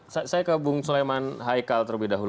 saya ke bung suleman haikal terlebih dahulu